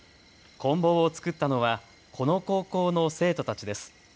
こん棒を作ったのは、この高校の生徒たちです。